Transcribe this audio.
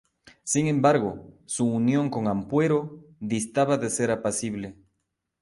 Sin embargo, su unión con Ampuero distaba de ser apacible.